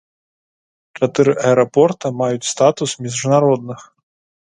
Чатыры аэрапорта маюць статус міжнародных.